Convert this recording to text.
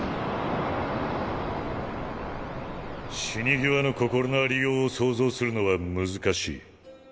死に際の心のありようを想像するのは難しい。